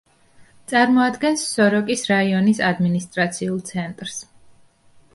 წარმოადგენს სოროკის რაიონის ადმინისტრაციულ ცენტრს.